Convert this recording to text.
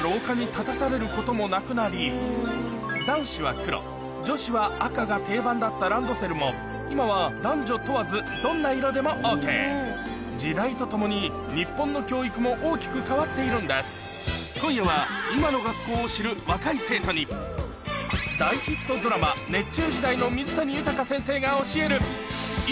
今は男子は黒女子は赤が定番だったランドセルも今は男女問わず時代とともに日本の教育も大きく変わっているんです今夜は今の学校を知る若い生徒に大ヒットドラマ・おっ！